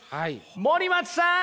森松さん